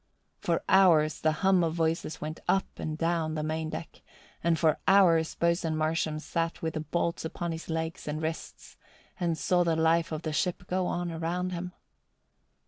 For hours the hum of voices went up and down the main deck and for hours Boatswain Marsham sat with the bolts upon his legs and wrists and saw the life of the ship go on around him.